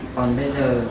còn bây giờ